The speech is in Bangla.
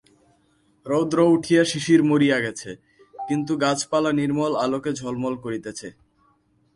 রৌদ্র উঠিয়া শিশির মরিয়া গেছে, কিন্তু গাছপালা নির্মল আলোকে ঝলমল করিতেছে।